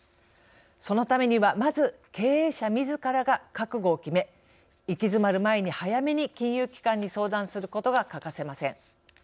そのためにはまず経営者みずからが覚悟を決め行き詰まる前に早めに金融機関に相談することが欠かせません。